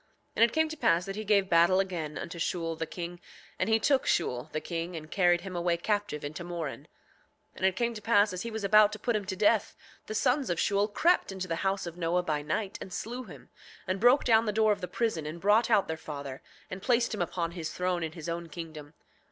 7:17 And it came to pass that he gave battle again unto Shule, the king; and he took Shule, the king, and carried him away captive into Moron. 7:18 And it came to pass as he was about to put him to death, the sons of Shule crept into the house of Noah by night and slew him, and broke down the door of the prison and brought out their father, and placed him upon his throne in his own kingdom.